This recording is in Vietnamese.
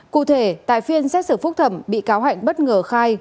cụ thể tại phiên xét xử phúc thẩm bị cáo hạnh bất ngờ khai